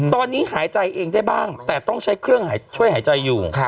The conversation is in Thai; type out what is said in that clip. ตอนนี้หายใจเองได้บ้างแต่ต้องใช้เครื่องช่วยหายใจอยู่